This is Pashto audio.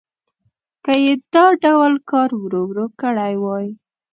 که یې دا ډول کار ورو ورو کړی وای.